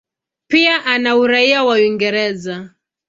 Pia ana uraia wa Uingereza.